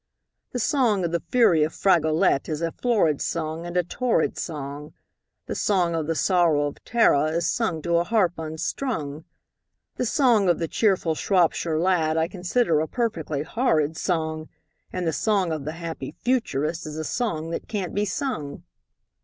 The song of the fury of Fragolette is a florid song and a torrid song, The song of the sorrow of Tara is sung to a harp unstrung, The song of the cheerful Shropshire Lad I consider a perfectly horrid song, And the song of the happy Futurist is a song that can't be sung.